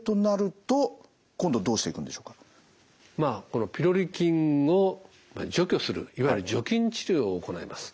このピロリ菌を除去するいわゆる除菌治療を行います。